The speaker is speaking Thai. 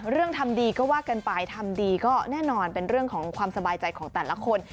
ทำดีก็ว่ากันไปทำดีก็แน่นอนเป็นเรื่องของความสบายใจของแต่ละคน